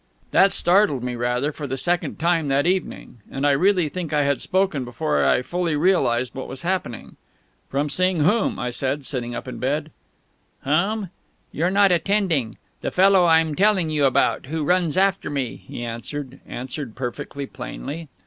"_ That startled me, rather, for the second time that evening; and I really think I had spoken before I had fully realised what was happening. "From seeing whom?" I said, sitting up in bed. "Whom?... You're not attending. The fellow I'm telling you about, who runs after me," he answered answered perfectly plainly.